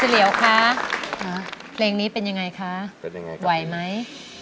คุณศิเลวคะแปลงนี้เป็นอย่างไรคะเป็นยังไงไหม